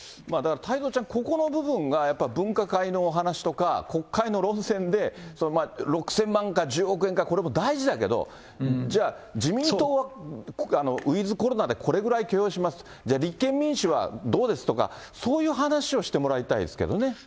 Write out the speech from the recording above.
だから太蔵ちゃん、ここの部分がやっぱり分科会のお話とか、国会の論戦で、６０００万か１０億円か、これも大事だけれども、じゃあ自民党はウィズコロナでこれぐらい許容します、じゃあ、立憲民主はどうですとか、そういう話をしてもらいたいですけどね。